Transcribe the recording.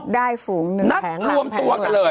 ได้ฝูงหนึ่งแผงหลังแผงหนึ่งนัดรวมตัวกันเลย